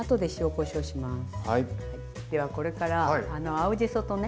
ではこれから青じそとね